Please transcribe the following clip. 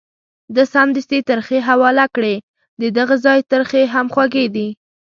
ده سمدستي ترخې حواله کړې، ددغه ځای ترخې هم خوږې دي.